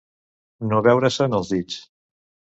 No veure-se'n als dits.